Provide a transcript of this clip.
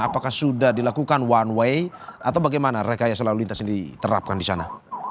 apakah sudah dilakukan one way atau bagaimana rekaya selalu lintas yang diterapkan di sana